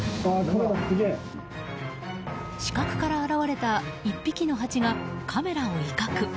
死角から現れた１匹のハチがカメラを威嚇。